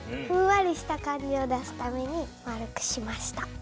ふんわりした感じを出すために丸くしました。